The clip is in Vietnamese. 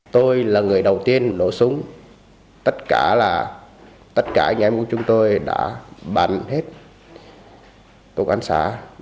tôi là người đầu tiên nổ súng tất cả là tất cả anh em của chúng tôi đã bắn hết tục án xã